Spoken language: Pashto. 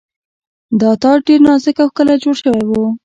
دا تاج ډیر نازک او ښکلی جوړ شوی و